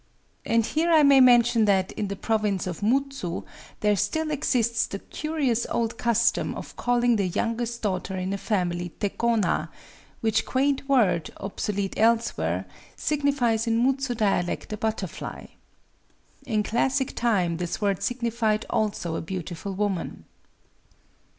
And here I may mention that, in the province of Mutsu, there still exists the curious old custom of calling the youngest daughter in a family Tekona,—which quaint word, obsolete elsewhere, signifies in Mutsu dialect a butterfly. In classic time this word signified also a beautiful woman...